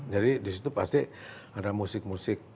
jadi disitu pasti ada musik musik